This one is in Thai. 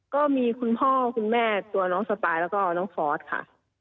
ก็มีคุณพ่อคุณแม่ตัวน้องสปายแล้วก็น้องฟอสค่ะ